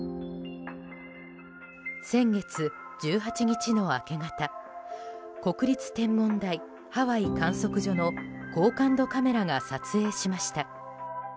先月１８日の明け方国立天文台ハワイ観測所の高感度カメラが撮影しました。